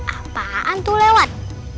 apaan tuh lewat